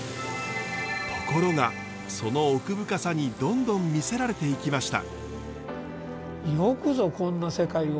ところがその奥深さにどんどん魅せられていきました。